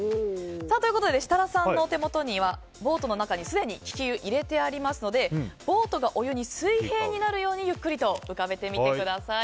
ということで設楽さんの手元にはボートの中に、すでにきき湯を入れてありますのでボートがお湯に水平になるようにゆっくりと浮かべてみてください。